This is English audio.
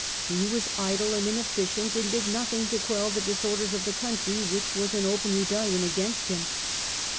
He was idle and inefficient and did no thing to quell the disorders of the country, which was in open rebellion against him.